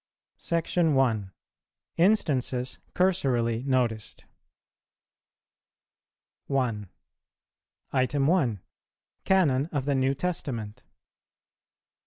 SECTION I. INSTANCES CURSORILY NOTICED. 1. (1.) _Canon of the New Testament.